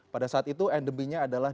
pada saat itu endeminya adalah